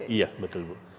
iya betul bu